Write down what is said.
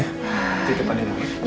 di depan diri ya